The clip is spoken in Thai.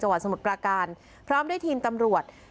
จังหวัดสมุดประการพร้อมด้วยทีมตำรวจ